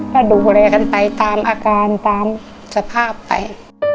ก็ดูแลกันไปตามอาการตามสภาพไป